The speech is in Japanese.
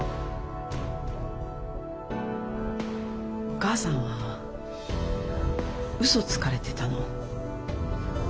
お母さんは嘘つかれてたの。